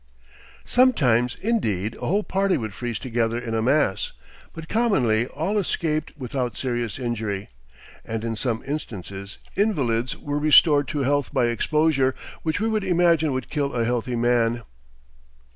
Sometimes, indeed, a whole party would freeze together in a mass; but commonly all escaped without serious injury, and in some instances invalids were restored to health by exposure which we should imagine would kill a healthy man.